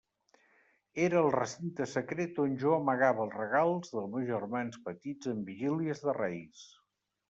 Era el recinte secret on jo amagava els regals dels meus germans petits en vigílies de Reis.